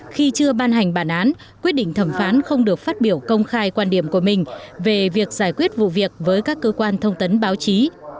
khi chưa ban hành bản án quyết định thẩm phán không được phát biểu công khai quan điểm của mình về việc giải quyết vụ việc với các cơ quan thông tấn báo chí